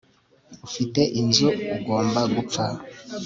Ufite inzu ugomba gupfa